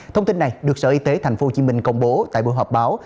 thông tin này được sở y tế tp hcm công bố tại buổi họp báo